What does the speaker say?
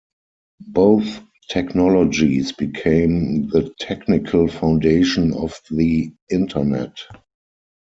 Both technologies became the technical foundation of the Internet.